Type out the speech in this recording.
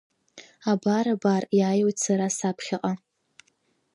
Абар, абар, иааиуеит сара саԥхьаҟа.